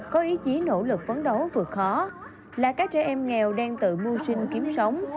có ý chí nỗ lực phấn đấu vượt khó là các trẻ em nghèo đang tự mưu sinh kiếm sống